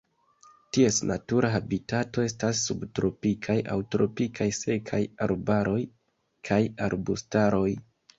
Ties natura habitato estas subtropikaj aŭ tropikaj sekaj arbaroj kaj arbustaroj.